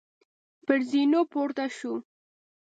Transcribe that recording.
پر زینو پورته شوو.